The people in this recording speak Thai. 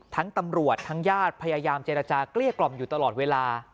ตำรวจทั้งญาติพยายามเจรจาเกลี้ยกล่อมอยู่ตลอดเวลา